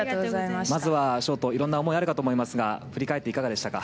まずはショート、いろんな思いあるかと思いますが振り返っていかがでしたか？